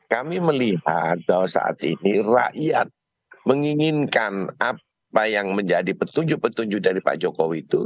kami melihat bahwa saat ini rakyat menginginkan apa yang menjadi petunjuk petunjuk dari pak jokowi itu